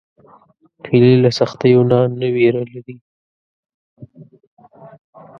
هیلۍ له سختیو نه نه ویره لري